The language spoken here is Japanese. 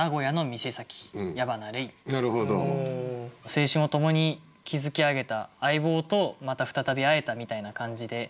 青春を共に築き上げた相棒とまた再び会えたみたいな感じで。